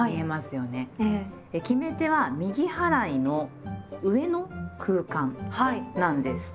決め手は「右払いの上の空間」なんです。